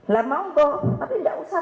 lah mompo tapi nggak usah